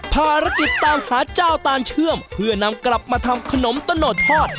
ภารกิจตามหาเจ้าตานเชื่อมเพื่อนำกลับมาทำขนมตะโนดทอด